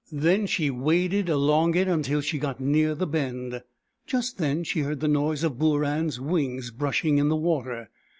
Then she waded along it until she got near the bend. Just then she heard the noise of Booran's wings brushing in the water.